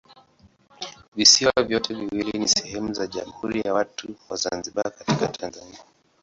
Visiwa vyote viwili ni sehemu za Jamhuri ya Watu wa Zanzibar katika Tanzania.